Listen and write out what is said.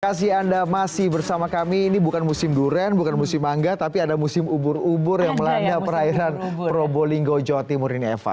terima kasih anda masih bersama kami ini bukan musim durian bukan musim mangga tapi ada musim ubur ubur yang melanda perairan probolinggo jawa timur ini eva